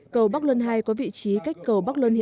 cầu bắc luân ii có vị trí cách cầu bắc luân ii